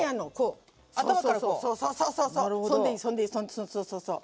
そうそうそうそう。